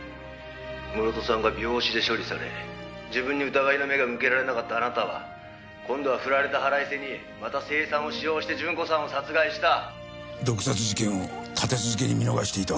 「室戸さんが病死で処理され自分に疑いの目が向けられなかったあなたは今度はフラれた腹いせにまた青酸を使用して順子さんを殺害した」毒殺事件を立て続けに見逃していたわけか。